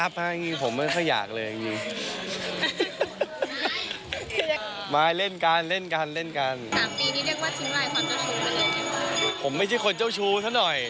ผมไม่ใช่คนเจ้าชู้ซะหน่อย